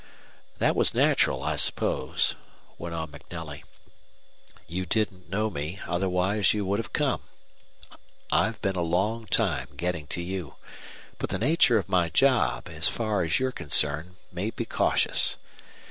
"That was natural, I suppose," went on MacNelly. "You didn't know me, otherwise you would have come. I've been a long time getting to you. But the nature of my job, as far as you're concerned, made me cautious.